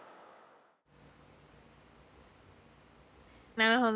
なるほど。